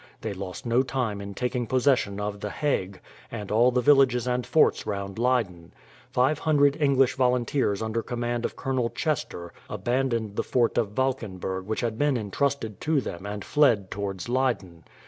They lost no time in taking possession of the Hague, and all the villages and forts round Leyden. Five hundred English volunteers under command of Colonel Chester abandoned the fort of Valkenberg which had been intrusted to them and fled towards Leyden.